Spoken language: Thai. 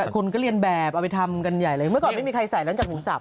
คนก็เรียนแบบเอาไปทำกันใหญ่เลยเมื่อก่อนไม่มีใครใส่แล้วจากหมูสับ